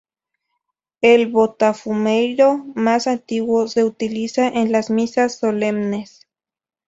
El botafumeiro más antiguo se utiliza en las misas solemnes.